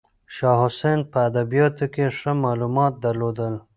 شاه حسین په ادبیاتو کې ښه معلومات درلودل.